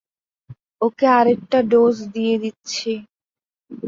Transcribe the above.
ওকে আরেকটা ডোজ দিয়ে দিচ্ছি।